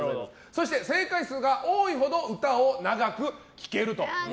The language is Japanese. そして正解数が多いほど歌を長く聴けると。